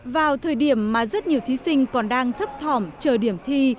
vào thời điểm mà rất nhiều thí sinh còn đang thấp thỏm chờ điểm thi